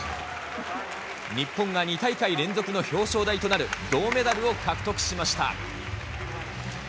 日本が２大会連続の表彰台となる銅メダルを獲得しました。